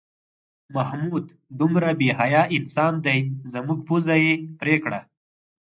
محمود دومره بې حیا انسان دی زموږ پوزه یې پرې کړه.